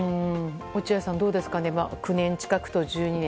落合さん、どうですか９年近くと１２年。